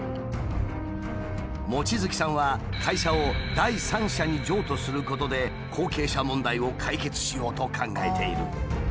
望月さんは会社を第三者に譲渡することで後継者問題を解決しようと考えている。